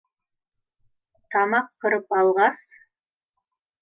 Тамаҡ ҡырып алғас: